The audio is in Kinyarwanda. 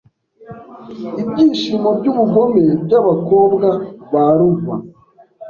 Ibyishimo byubugome byabakobwa ba Luva